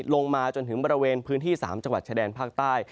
ลงมาจนถึงบริเวณพื้นที่๓จังหวัดชายแดนภาคใต้